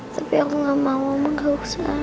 tapi aku gak mau